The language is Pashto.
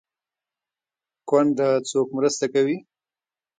کونډه څوک مرسته کوي؟